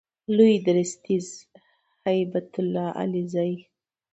لوی درستیز هیبت الله علیزی